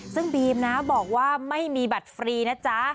ซึ่งบีมนะบอกว่าไม่มีบัตรฟรีนะจ๊ะ